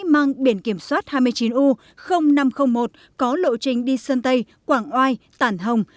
mang biển kiểm soát hai mươi chín u năm trăm linh một có lộ trình đi sơn tây quảng oai tản hồng